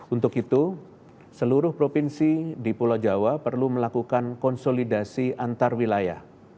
untuk itu seluruh provinsi di pulau jawa perlu melakukan konsolidasi antar wilayah